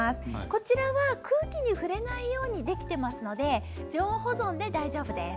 こちらは空気に触れないようにできていますので常温保存で大丈夫です。